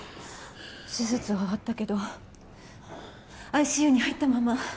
手術は終わったけどＩＣＵに入ったまま。